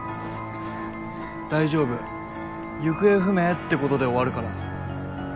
大丈夫行方不明ってことで終わるから。